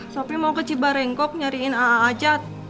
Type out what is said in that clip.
sopi mau ke cibarengkok nyariin a'a ajad